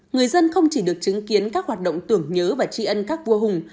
người dân không chỉ được chứng kiến các hoạt động tưởng nhớ và tri ân các vua hùng